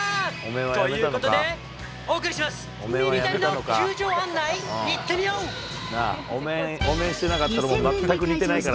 ということでお送りします。